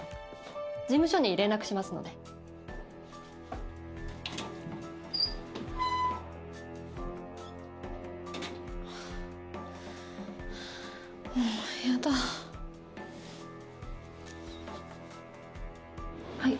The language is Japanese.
事務所に連絡しますのでもう嫌だはい